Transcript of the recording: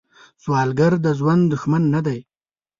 سوالګر د ژوند دښمن نه دی